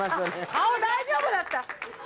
顔大丈夫だった？